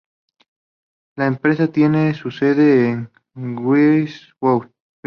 La empresa tiene su sede en Glasgow.